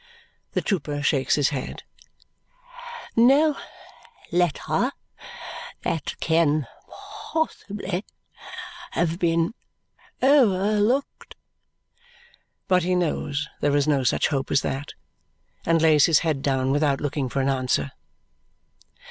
The trooper shakes his head. "No letter that can possibly have been overlooked?" But he knows there is no such hope as that and lays his head down without looking for an answer.